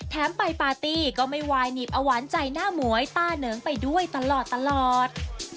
ไปปาร์ตี้ก็ไม่วายหนีบเอาหวานใจหน้าหมวยต้าเหนิงไปด้วยตลอด